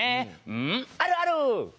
うーんあるある！